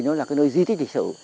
nó là cái nơi di thích lịch sử